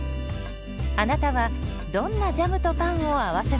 あなたはどんなジャムとパンを合わせますか？